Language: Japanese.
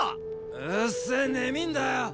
うっせェねみーんだよ！